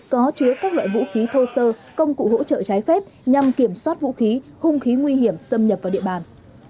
có chứa các loại vũ khí thô sơ công cụ hỗ trợ trái phép nhằm kiểm soát vũ khí hung khí nguy hiểm xâm nhập vào địa bàn